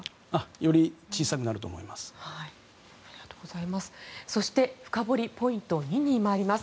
より小さくなると思います。